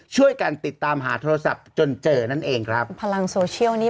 ช่วยกันติดตามหาโทรศัพท์จนเจอนั่นเองครับพลังโซเชียลนี้